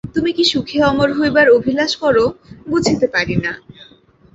তুমি কী সুখে অমর হইবার অভিলাষ কর বুঝিতে পারি না।